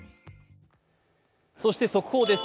そして速報です。